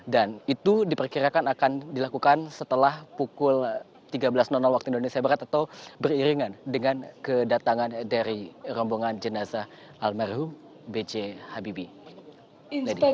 dan itu diperkirakan akan dilakukan setelah pukul tiga belas waktu indonesia barat atau beriringan dengan kedatangan dari rombongan jenazah almarhum b c habibie